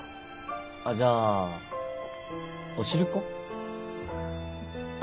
あっじゃあお汁粉？あれば。